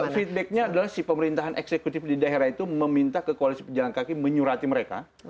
feedbacknya adalah si pemerintahan eksekutif di daerah itu meminta ke koalisi pejalan kaki menyurati mereka